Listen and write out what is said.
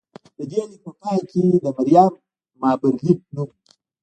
د دې لیک په پای کې د مریم مابرلي نوم و